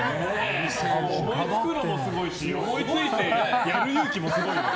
思いつくのもすごいし思いついてやる勇気もすごいよ。